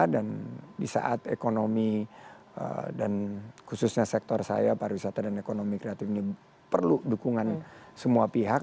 dan disaat ekonomi dan khususnya sektor saya pariwisata dan ekonomi kreatif ini perlu dukungan semua pihak